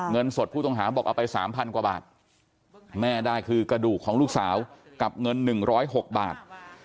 เงินสดผู้ต้องหาบอกเอาไป๓๐๐กว่าบาทแม่ได้คือกระดูกของลูกสาวกับเงิน๑๐๖บาท